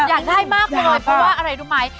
อยากได้มากเลยเพราะว่าอะไรรู้ไหม